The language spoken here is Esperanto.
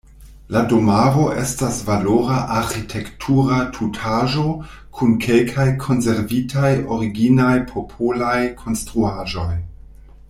La domaro estas valora arĥitektura tutaĵo kun kelkaj konservitaj originaj popolaj konstruaĵoj.